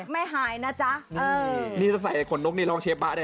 แม่จ๋าแม่คุณบอกให้ผัดด้วย